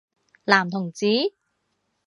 男同志？